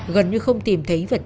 gần như không tìm thấy vật liệu